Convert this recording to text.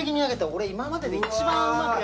俺今までで一番うまく焼けた。